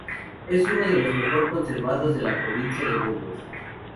Es uno de los mejor conservados de la provincia de Burgos.